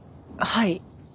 はい。